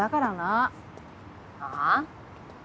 ああ？